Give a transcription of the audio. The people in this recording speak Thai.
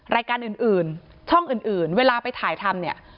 รายการอื่นช่องอื่นเวลาไปถ่ายทำเนี่ย